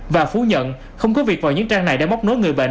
và phú nhận không có việc vào những trang này để móc nối người bệnh